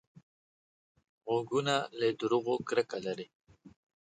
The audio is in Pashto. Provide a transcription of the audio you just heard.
غوږونه له دروغو کرکه لري